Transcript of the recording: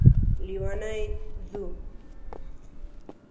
لیونی ځو